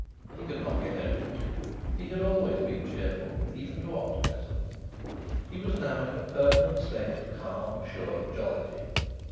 He could not get over it. He had always been cheerful, even to optimism. He was now in a permanent state of calm, assured jollity.